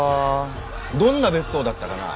どんな別荘だったかな？